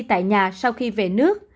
tại nhà sau khi về nước